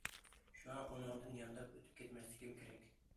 شۇڭا ئۇنىڭدىن يانداپ ئۆتۈپ كەتمەسلىكىم كېرەك.